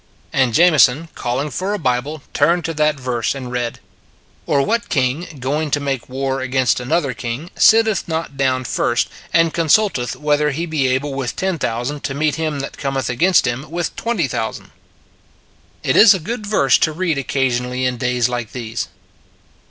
And Jameson, calling for a Bible, turned to that verse and read: Or what king, going to make war against an other king, sitteth not down first and consulteth whether he be able with ten thousand to meet him that cometh against him with twenty thou sand? 34 It s a Good Old World It is a good verse to read occasionally in days like these.